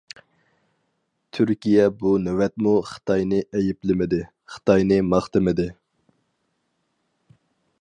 تۈركىيە بۇ نۆۋەتمۇ خىتاينى ئەيىبلىمىدى، خىتاينى ماختىمىدى.